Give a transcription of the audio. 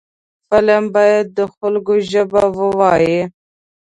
فلم باید د خلکو ژبه ووايي